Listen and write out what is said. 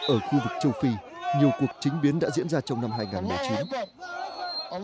ở khu vực châu phi nhiều cuộc chính biến đã diễn ra trong năm hai nghìn một mươi chín